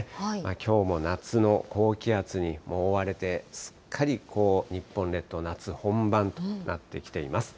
きょうも夏の高気圧に覆われて、すっかり日本列島、夏本番となってきています。